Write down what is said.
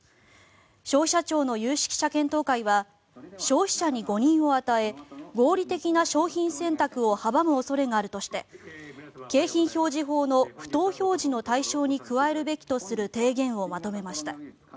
消費者庁の有識者検討会議は消費者に誤認を与え合理的な商品選択を阻む恐れがあるとして景品表示法の不当表示の対象に加えるべきとする提言をまとめました。